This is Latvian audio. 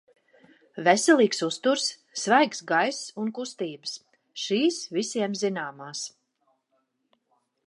Veselīgs uzturs, svaigs gaiss un kustības – šīs visiem zināmās.